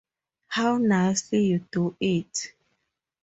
How nicely you do it!